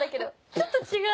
ちょっと違う。